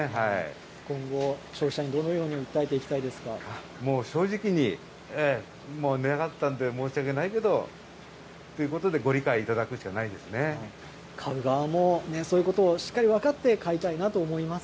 今後、消費者にどう訴えていもう正直に、もう値上がったんで、申し訳ないけどということで、ご理解いただくしかないです買う側も、そういうことをしっかり分かって買いたいなと思います。